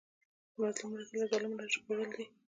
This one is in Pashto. د مظلوم مرسته له ظلم نه ژغورل دي.